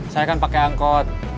saya kan pake angkot